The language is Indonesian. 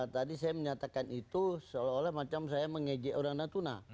tadi saya menyatakan itu seolah olah macam saya mengejek orang natuna